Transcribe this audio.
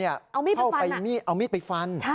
เอามีดไปฟัน